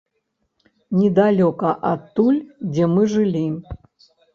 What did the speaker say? Недалёка адтуль, дзе мы жылі.